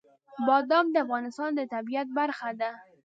بادام د افغانستان د طبیعت برخه ده.